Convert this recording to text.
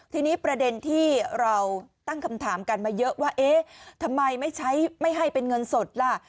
ทีนี้ประเด็นที่เราตั้งคำถามกันมาเยอะว่าเอ๊ะทำไมไม่ใช้ไม่ให้เป็นเงินสดล่ะ